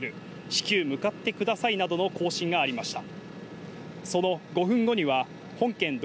至急向かってくださいなどの交信がありました。